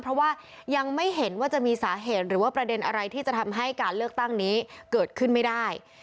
เพราะว่ายังไม่เห็นว่าจะมีสาเหตุหรือว่าประเด็นอะไรที่จะทำให้การเลือกตั้งนี้เกิดขึ้นไม่ได้